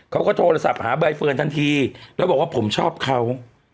เขาก็โทรศัพท์หาใบเฟิร์นทันทีแล้วบอกว่าผมชอบเขา